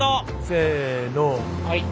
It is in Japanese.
せの。